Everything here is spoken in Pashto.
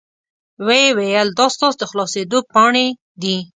وې ویل دا ستاسو د خلاصیدو پاڼې دي.